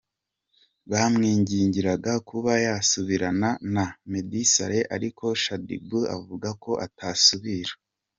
bamwingingira kuba yasubirana na Meddy Saleh ariko Shaddyboo avuga ko atasubira